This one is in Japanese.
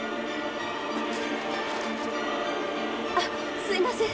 あっすいません